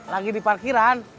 lagi di parkiran